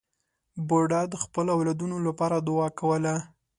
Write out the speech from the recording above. بوډا د خپلو اولادونو لپاره دعا کوله.